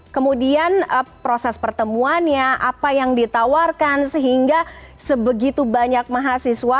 kemudian proses pertemuannya apa yang ditawarkan sehingga sebegitu banyak mahasiswa